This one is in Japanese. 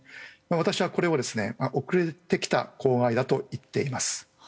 私はこれをですね遅れてきた公害だと言っています。